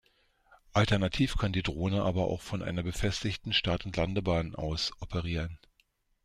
Alternativ kann die Drohne aber auch von einer befestigen Start- und Landebahn aus operieren.